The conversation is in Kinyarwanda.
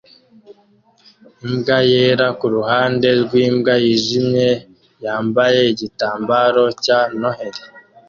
Imbwa yera kuruhande rwimbwa yijimye yambaye igitambaro cya Noheri